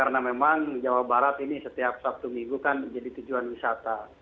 karena memang jawa barat ini setiap sabtu minggu kan menjadi tujuan wisata